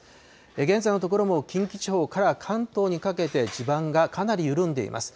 現在のところも近畿地方から関東にかけて、地盤がかなり緩んでいます。